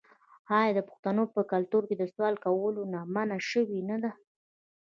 آیا د پښتنو په کلتور کې د سوال کولو نه منع شوې نه ده؟